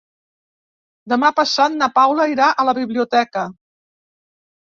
Demà passat na Paula irà a la biblioteca.